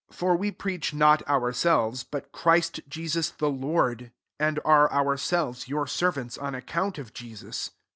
5 For we preach not ourselves, but Christ Jesus the Loi'd ; and are our selves your servants on account of Jesus.